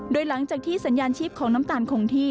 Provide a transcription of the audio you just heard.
โดยหลังจากที่สัญญาณชีพของน้ำตาลคงที่